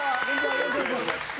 よろしくお願いします。